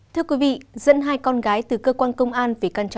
thưa quý vị dẫn hai con gái từ cơ quan công an về các tài liệu